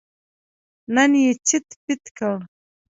نن یې چیت پیت کړ.